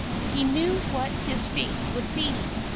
He knew what his fate would be.